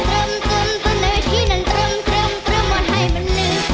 ตรึ่มตรึ่มตรึ่มในวิธีนั้นตรึ่มตรึ่มตรึ่มมันให้มันลืม